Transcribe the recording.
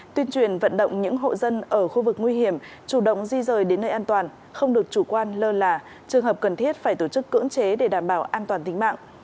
tuyên truyền vận động những hộ dân ở khu vực nguy hiểm chủ động di rời đến nơi an toàn không được chủ quan lơ là trường hợp cần thiết phải tổ chức cưỡng chế để đảm bảo an toàn tính mạng